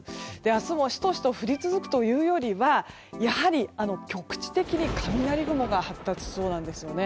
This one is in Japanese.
明日もシトシト降り続くというよりは局地的に雷雲が発達しそうです。